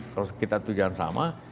kalau kita tujuan sama